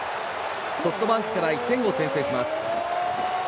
ソフトバンクから１点を先制します。